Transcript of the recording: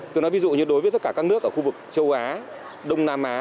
tôi nói ví dụ như đối với tất cả các nước ở khu vực châu á đông nam á